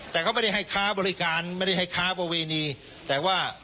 แต่เขาไม่ได้ให้ค้าบริการไม่ได้ให้ค้าประเวณีแต่ว่า